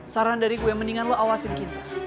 saran dari gue mendingan lo awasin kinta